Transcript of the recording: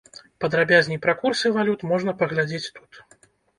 Падрабязней пра курсы валют можна паглядзець тут.